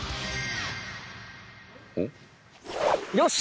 よし！